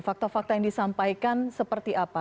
fakta fakta yang disampaikan seperti apa